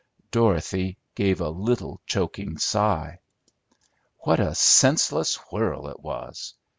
Dorothy gave a little choking sigh. What a senseless whirl it was.